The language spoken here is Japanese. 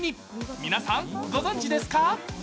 皆さん、ご存じですか？